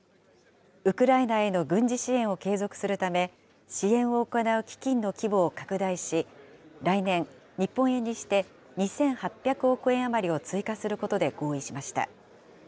ウクライナへの軍事支援を継続するため、支援を行う基金の規模を拡大し、来年、日本円にして２８００億円余りを追加することで合意しました。